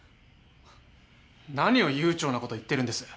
何を悠長なこと言ってるんです？